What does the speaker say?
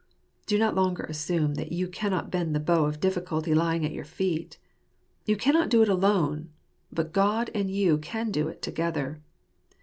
Do not longer assume that you cannot bend the bow of difficulty lying at your feet. You cannot do it alone ; but God and you can do it together.